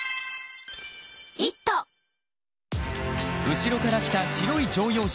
後ろから来た白い乗用車。